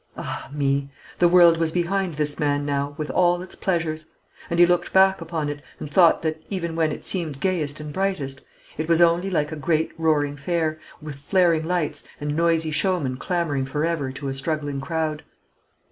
Ah, me! the world was behind this man now, with all its pleasures; and he looked back upon it, and thought that, even when it seemed gayest and brightest, it was only like a great roaring fair, with flaring lights, and noisy showmen clamoring for ever to a struggling crowd.